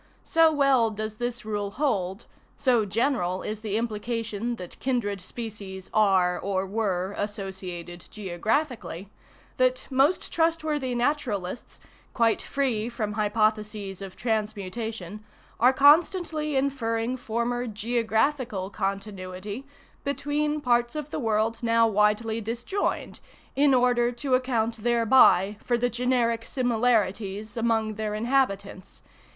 So well does this rule hold, so general is the implication that kindred species are or were associated geographically, that most trustworthy naturalists, quite free from hypotheses of transmutation, are constantly inferring former geographical continuity between parts of the world now widely disjoined, in order to account thereby for the generic similarities among their inhabitants.